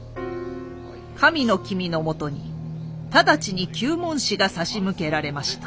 神の君のもとに直ちに糾問使が差し向けられました。